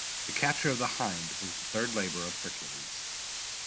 The capture of the hind was the third labour of Heracles.